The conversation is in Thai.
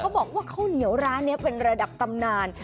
บอกว่าข้าวเหนียวร้านนี้เป็นระดับตำนาน